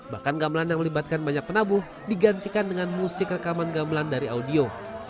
bahkan gamelan yang melibatkan banyak penabuh digantikan dengan musik rekaman gamelan dari audio